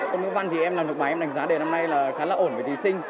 môn ngữ văn thì em làm được bài em đánh giá đề năm nay là khá lộn